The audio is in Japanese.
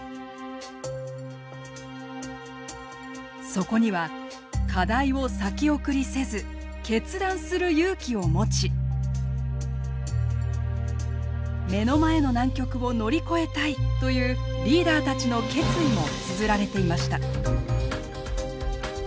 そこには課題を先送りせず決断する勇気を持ち目の前の難局を乗り越えたいというリーダーたちの決意もつづられていました。